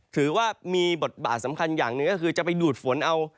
ถือว่ามีบทบาทสำคัญอย่างหนึ่งก็คือจะไปดูดฝนเอา